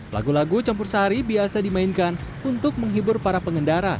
lagu lagu campur sari biasa dimainkan untuk menghibur para pengendara